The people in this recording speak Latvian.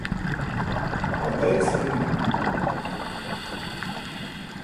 Pateiksi viņam?